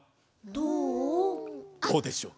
どうでしょう？